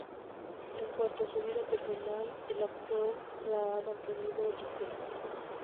En cuanto a su vida personal, el actor la ha mantenido en reserva.